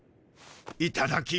いただきます。